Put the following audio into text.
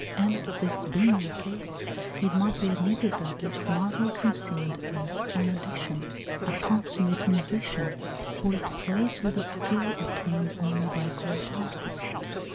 And this being the case, it must be admitted that this marvellous instrument is, in addition, a consummate musician, for it plays with the skill attained only by great artists.